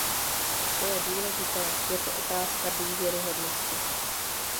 To je důležité, je to otázka důvěryhodnosti.